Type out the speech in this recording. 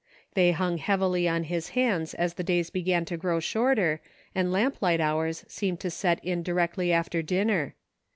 They hung heavily on his hands as the days began to grow shorter and lamp light hours seemed to set in directly after dinner.